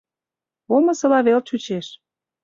Омысыла вел чучеш: